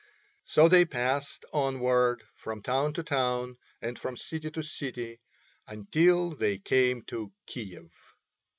So they passed onward from town to town and from city to city until they came to Kiev.